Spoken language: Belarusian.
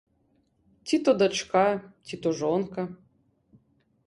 Ці то дачка, ці то жонка.